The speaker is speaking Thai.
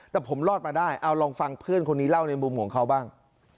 แต่ผมรอดมาได้เอาลองฟังเพื่อนคนนี้เล่าในมุมของเขาบ้าง